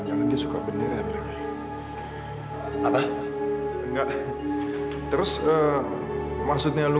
ya itu ratu sama edgar